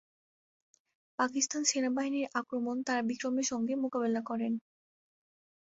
পাকিস্তান সেনাবাহিনীর আক্রমণ তারা বিক্রমের সঙ্গে মোকাবিলা করেন।